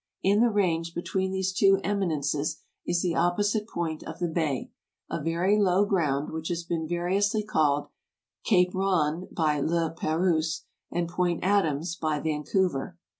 In the range between these two eminences is the opposite point of the bay, a very low ground, which has been variously called Cape Rond by Le Perouse, and Point Adams by Vancouver.